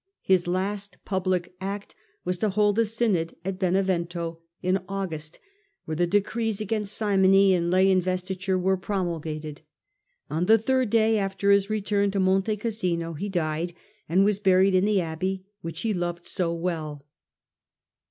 His last public act was to hold a synod at Benevento (August), where the decrees against simony and lay investiture were promulgated. On the third day after his return to Monte Cassino he died, and was buried in the abbey which he loved so well.